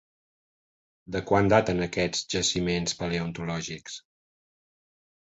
De quan daten aquests jaciments paleontològics?